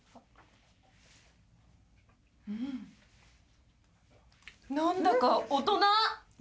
うん何だか大人。